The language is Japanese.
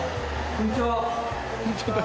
こんにちは。